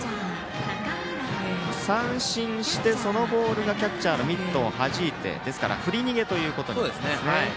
三振して、そのボールがキャッチャーのミットをはじいてですから、振り逃げとなりますね。